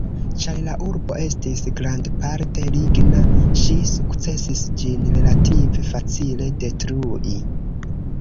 Ĉar la urbo estis grandparte ligna, ŝi sukcesis ĝin relative facile detrui.